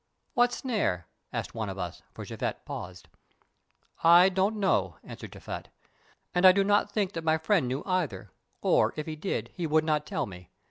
"What snare?" asked one of us, for Japhet paused. "I don't know," answered Japhet, "and I do not think that my friend knew either, or, if he did, he would not tell me.